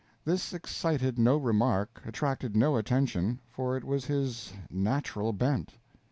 This excited no remark, attracted no attention for it was his "natural bent."